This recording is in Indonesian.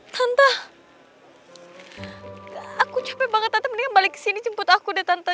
tante aku capek banget tante mending balik kesini jemput aku deh tante